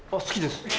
好きです。